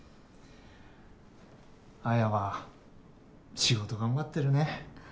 彩は仕事頑張ってるね。